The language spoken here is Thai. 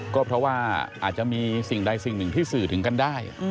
ก็เพราะว่าอาจจะมีสิ่งใดสิ่งหนึ่งที่สื่อถึงกันได้